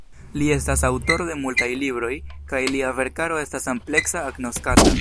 Li estas aŭtoro de multaj libroj, kaj lia verkaro estas ampleksa agnoskata.